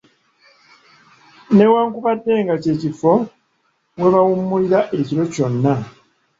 Ne wankubadde nga kye kifo we bawummulira ekiro kyonna.